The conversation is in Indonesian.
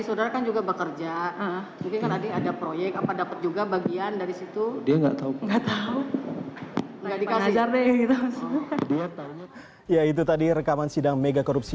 bukan gaji saudara kan juga bekerja